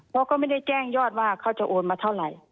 เพราะก็ไม่ได้แจ้งยอดว่าเขาจะโอนมาเท่าไหร่